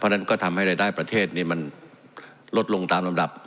เพราะฉะนั้นก็ทำให้รายได้ประเทศนี้มันลดลงตามลำดับ